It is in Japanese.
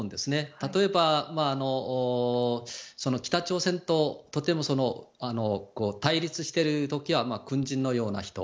例えば北朝鮮ととても対立している時は軍人のような人。